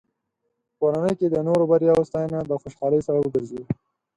په کورنۍ کې د نورو بریاوو ستاینه د خوشحالۍ سبب ګرځي.